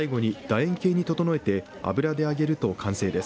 円形に整えて油で揚げると完成です。